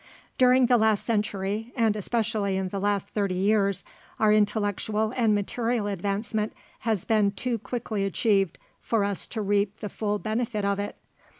During the last century, and especially in the last thirty years, our intellectual and material advancement has been too quickly achieved for us to reap the full benefit of it.